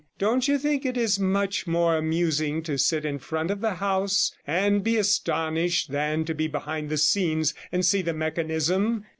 Don't you think it is much more amusing to sit in front of the house and be astonished than to be behind the scenes and see the mechanism?